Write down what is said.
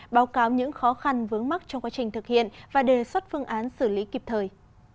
báo cáo những khó khăn vướng mắt trong quá trình thực hiện và đề xuất phương án xử lý kịp thời